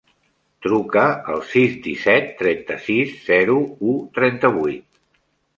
Truca al sis, disset, trenta-sis, zero, u, trenta-vuit.